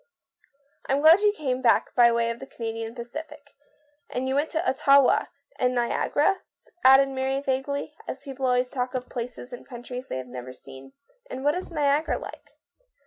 " I'm glad you came back by the Canadian Pacific. And you went to Ottawa — and Niagara," added Mary vaguely, as people always talk of places and countries they have never seen. " And what is Niagara like